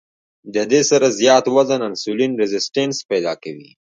د دې سره زيات وزن انسولين ريزسټنس پېدا کوي